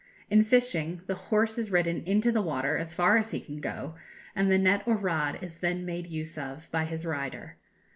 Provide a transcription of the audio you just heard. In fishing, the horse is ridden into the water as far as he can go, and the net or rod is then made use of by his rider.